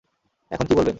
এখন কী বলবেন?